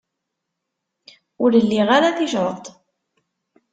Ur liɣ ara ticreḍt.